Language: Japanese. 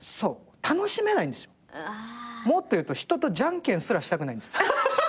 もっと言うと人とじゃんけんすらしたくないんです。